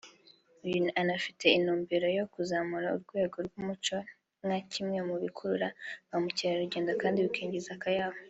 uyu anafite intumbero yo kuzamura urwego rw’umuco nka kimwe mu bikurura ba mukerarugendo kandi bikinjiza akayabo